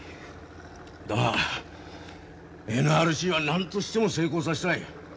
だがＮＲＣは何としても成功させたい。